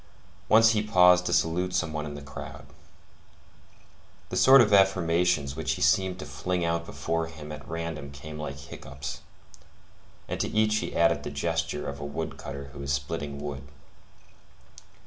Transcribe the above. Once he paused to salute some one in the crowd. The sort of affirmations which he seemed to fling out before him at random came like hiccoughs, and to each he added the gesture of a wood cutter who is splitting wood.